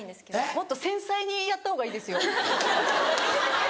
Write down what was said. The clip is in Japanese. もっと繊細にやった方がいいですよ。